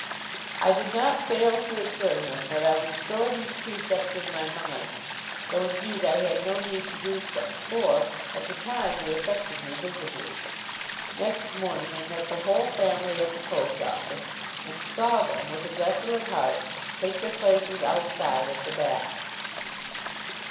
I did not fail to assure him that I would store these precepts in my mind, though indeed I had no need to do so, for, at the time, they affected me visibly. Next morning I met the whole family at the coach office, and saw them, with a desolate heart, take their places outside, at the back.